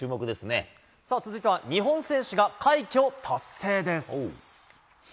さあ、続いては日本選手が快挙達成です。